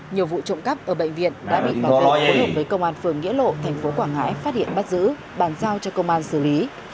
nhiều vụ trộm cắp ở bệnh viện đã bị bảo vệ hỗn hợp với công an phường nghĩa lộ thành phố quảng ngãi phát hiện bắt giữ bàn giao cho công an xử lý